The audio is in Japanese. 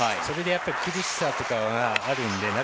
それで、苦しさとかがあるので。